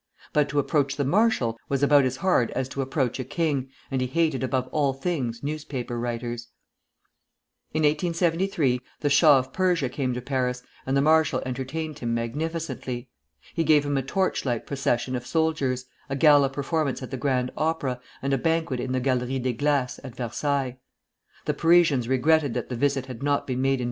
But to approach the marshal was about as hard as to approach a king, and he hated above all things newspaper writers. In 1873 the Shah of Persia came to Paris, and the marshal entertained him magnificently. He gave him a torch light procession of soldiers, a gala performance at the Grand Opera, and a banquet in the Galerie des Glaces at Versailles. The Parisians regretted that the visit had not been made in M.